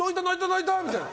泣いた！みたいな。